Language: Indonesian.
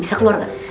bisa keluar gak